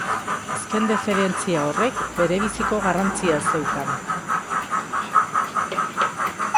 Azken diferentzia horrek berebiziko garrantzia zeukan.